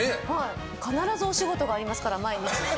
必ずお仕事がありますから毎日。